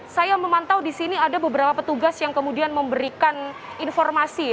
saya memantau di sini ada beberapa petugas yang kemudian memberikan informasi